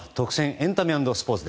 エンタメ＆スポーツ。